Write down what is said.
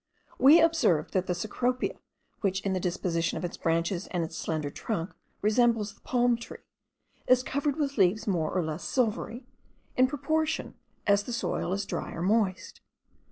We observed that the cecropia, which in the disposition of its branches and its slender trunk, resembles the palm tree, is covered with leaves more or less silvery, in proportion as the soil is dry or moist.